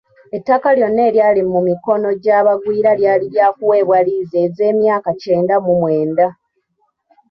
Ettaka lyonna eryali mu mikono gy’abagwira lyali lyakuweebwa liizi ez’emyaka kyenda mu mwenda.